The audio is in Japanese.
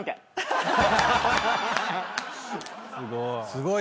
すごい。